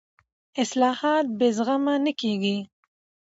اصلاحات بې زغمه نه کېږي